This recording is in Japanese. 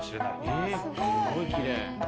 すごいきれい。